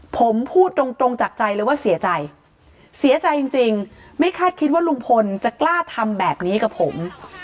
ผมพูดตรงตรงจากใจเลยว่าเสียใจเสียใจจริงไม่คาดคิดว่าลุงพลจะกล้าทำแบบนี้กับผม